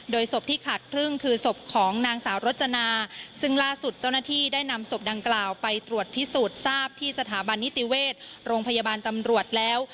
ศพที่ขาดครึ่งคือศพของนางสาวรจนาซึ่งล่าสุดเจ้าหน้าที่ได้นำศพดังกล่าวไปตรวจพิสูจน์ทราบที่สถาบันนิติเวชโรงพยาบาลตำรวจแล้ว